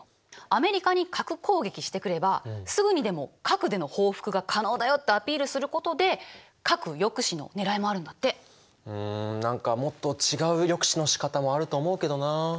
アメリカに核攻撃してくればすぐにでも核での報復が可能だよってアピールすることでうん何かもっと違う抑止のしかたもあると思うけどな。